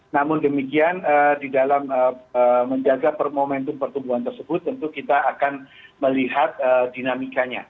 namun demikian di dalam menjaga momentum pertumbuhan tersebut tentu kita akan melihat dinamikanya